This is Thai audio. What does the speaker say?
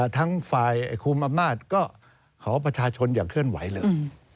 ทั้งฝ่ายคุมอำนาจก็ขอประชาชนอย่าเคลื่อนไหวเลย